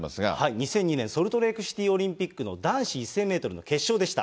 ２００２年ソルトレークシティーオリンピックの男子１０００メートルの決勝でした。